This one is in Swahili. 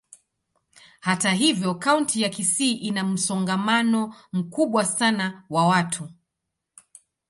Hata hivyo, kaunti ya Kisii ina msongamano mkubwa sana wa watu.